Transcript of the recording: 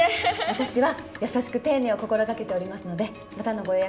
私は優しく丁寧を心掛けておりますのでまたのご予約